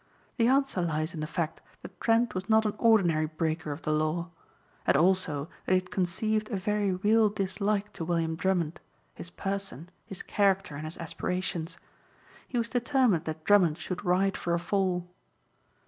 The answer lies in the fact that Trent was not an ordinary breaker of the law. And also that he had conceived a very real dislike to William Drummond, his person, his character and his aspirations. He was determined that Drummond should ride for a fall.